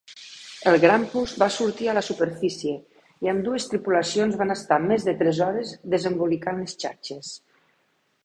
El Grampus va sortir a la superfície i ambdues tripulacions van estar més de tres hores desembolicant les xarxes.